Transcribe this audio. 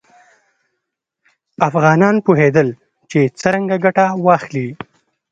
افغانان پوهېدل چې څرنګه ګټه واخلي.